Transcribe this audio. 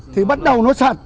thì bắt đầu nó sạt